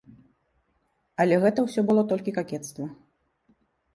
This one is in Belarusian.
Але гэта ўсё было толькі какецтва.